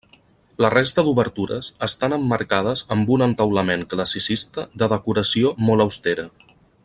La resta d'obertures estan emmarcades amb un entaulament classicista de decoració molt austera.